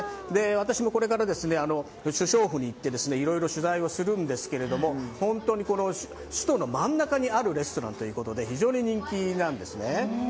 私もこれから首相府に行っていろいろと取材をするんですけど、首都の真ん中にあるレストランということで、非常に人気なんですね。